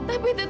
ibu tak mau